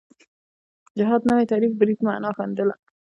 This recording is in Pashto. جهاد نوی تعریف برید معنا ښندله